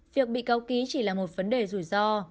việc bị cáo ký chỉ là một vấn đề rủi ro